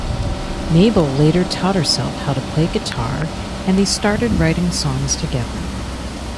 Mabel later taught herself how to play guitar and they started writing songs together.